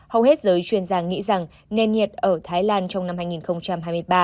hầu hết giới chuyên gia nghĩ rằng nền nhiệt ở thái lan trong năm hai nghìn hai mươi ba